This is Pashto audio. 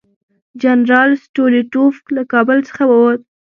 جنرال سټولیټوف له کابل څخه ووت.